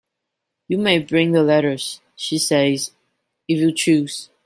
"You may bring the letters," she says, "if you choose."